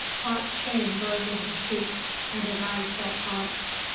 Hot shame burned in his cheeks and his eyes felt hot.